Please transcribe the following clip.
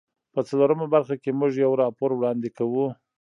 په څلورمه برخه کې موږ یو راپور وړاندې کوو.